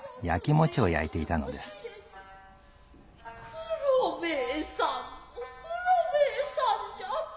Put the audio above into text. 九郎兵衛さんも九郎兵衛さんじゃ。